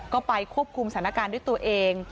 ก็ไปควบคุมสถานการณ์ด้วยตัวเอง